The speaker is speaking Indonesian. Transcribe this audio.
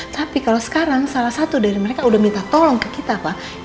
tapi kalau sekarang salah satu dari mereka udah minta tolong ke kita pak